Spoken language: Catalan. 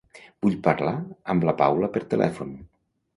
Vull parlar amb la Paula per telèfon.